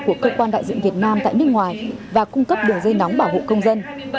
của cơ quan đại diện việt nam tại nước ngoài và cung cấp đường dây nóng bảo hộ công dân